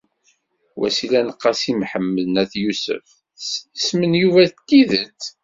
Wasila n Qasi Mḥemmed n At Yusef tessen isem n Yuba n tidet?